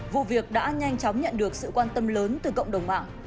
vụ việc đã nhanh chóng nhận được sự quan tâm lớn từ cộng đồng mạng